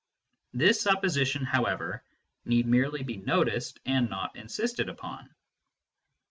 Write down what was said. This supposition, however, need merely be noticed and not insisted upon.